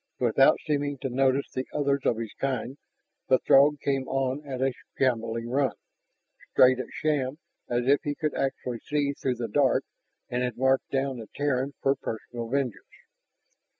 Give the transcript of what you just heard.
Without seeming to notice the others of his kind, the Throg came on at a shambling run, straight at Shann as if he could actually see through the dark and had marked down the Terran for personal vengeance.